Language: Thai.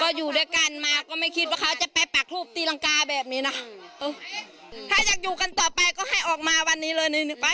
อยู่ด้วยกันมาก็ไม่คิดว่าเขาจะไปปากรูปตีรังกาแบบนี้นะถ้าอยากอยู่กันต่อไปก็ให้ออกมาวันนี้เลยไป